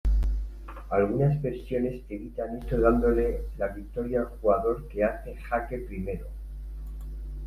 Algunas versiones evitan esto dándole la victoria al jugador que hace jaque primero.